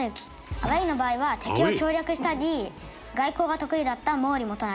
アウェイの場合は敵を調略したり外交が得意だった毛利元就。